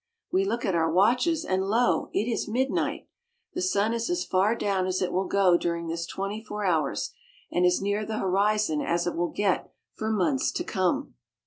We look at our watches, and lo ! it is midnight. The sun is as far down as it will go during this twenty four hours, and as near the horizon as it will get for months to come.